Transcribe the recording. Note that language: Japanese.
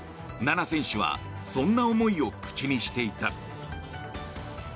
菜那選手はそんな思いを口にしていた。